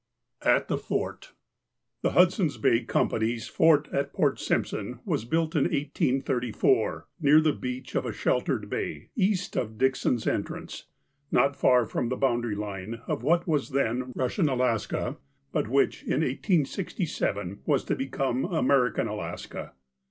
VII AT THE FORT THE Hudson's Bay Company's Fort at Port Simp son was built in 1834, near the beach of a shel tered bay, east of Dixon's Entrance, not far from the boundary line of what was then Eussian Alaska, but which, in 1867, was to become American Alaska.